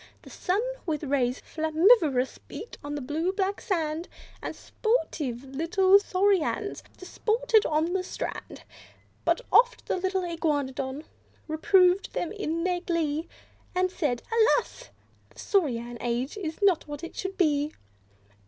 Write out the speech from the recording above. The sun, with rays flammivomous, beat on the blue black sand; And sportive little Saurians disported on the strand But oft the Iguanodon reproved them in their glee, And said, "Alas! this Saurian Age is not what it should be!"